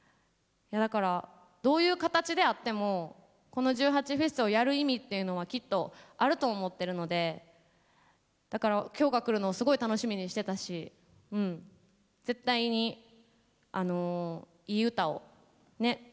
だからどういう形であってもこの１８祭をやる意味っていうのはきっとあると思ってるのでだから今日が来るのをすごい楽しみにしてたし絶対にいい歌をね